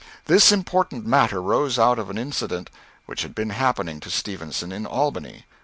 This important matter rose out of an incident which had been happening to Stevenson in Albany.